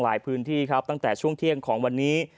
พื้นที่ครับตั้งแต่ช่วงเที่ยงของวันนี้